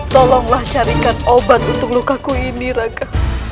tolonglah carikan obat untuk lukaku ini raga